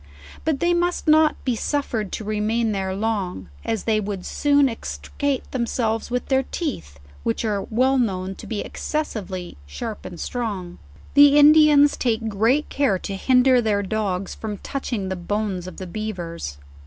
But they must not be suffered to remain there long, as they would soon ex tricate themselves with their teeth, which are well known to be excessively sharp and strong. The Indians take great care to hinder their dogs from touching the bones of the beavers.